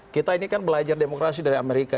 kita ini kan belajar demokrasi dari amerika